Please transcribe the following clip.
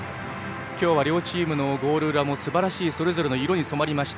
今日は両チームのゴール裏もそれぞれの色に染まりました。